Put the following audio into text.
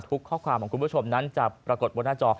ข้อความของคุณผู้ชมนั้นจะปรากฏบนหน้าจอ